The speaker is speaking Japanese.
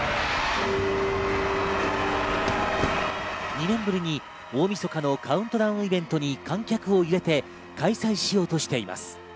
２年ぶりに大みそかのカウントダウンイベントに観客を入れて開催しようとしています。